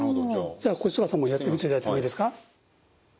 じゃあ越塚さんもやってみていただいてもいいですか。